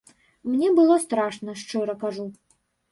Мне было страшна, шчыра кажу.